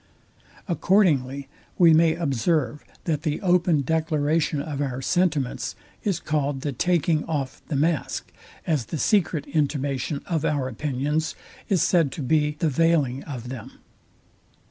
Accordingly we may observe, that the open declaration of our sentiments is called the taking off the mask, as the secret intimation of our opinions is said to be the veiling of them.